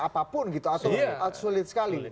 apapun gitu atau sulit sekali